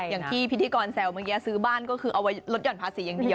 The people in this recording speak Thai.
อย่างที่พิธีกรแซวเมื่อกี้ซื้อบ้านก็คือเอาไว้ลดห่อนภาษีอย่างเดียว